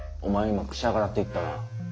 今「くしゃがら」って言ったな。